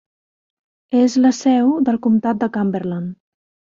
És la seu del comtat de Cumberland.